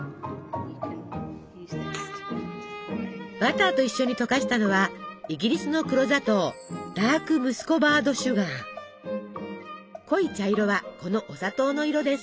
バターと一緒に溶かしたのはイギリスの黒砂糖濃い茶色はこのお砂糖の色です。